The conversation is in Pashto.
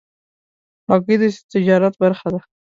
هګۍ د تجارت برخه ده.